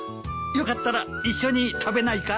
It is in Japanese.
よかったら一緒に食べないか？